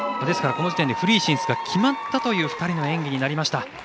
ですから、この時点でフリー進出が決まったという２人の演技になりました。